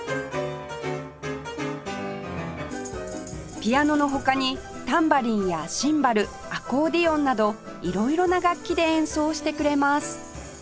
ピアノの他にタンバリンやシンバルアコーディオンなど色々な楽器で演奏してくれます